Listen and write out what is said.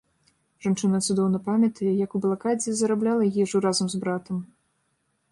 Жанчына цудоўна памятае, як у блакадзе зарабляла ежу разам з братам.